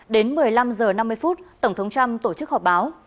đến một mươi năm giờ năm mươi phút tổng thống trump tổ chức họp báo